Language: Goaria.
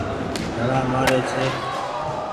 ڌڻآ مآري ڇي۔